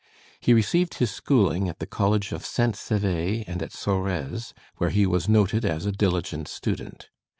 He received his schooling at the college of St. Sever and at Sorèze, where he was noted as a diligent student.